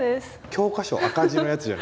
教科書赤字のやつじゃないですか。